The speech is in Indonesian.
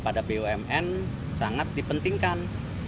pada bumn sangat dipentingkan